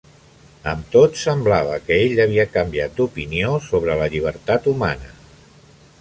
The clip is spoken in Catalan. Amb tot, semblava que ell havia canviat d'opinió sobre la llibertat humana.